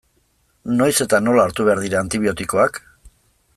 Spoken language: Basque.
Noiz eta nola hartu behar dira antibiotikoak?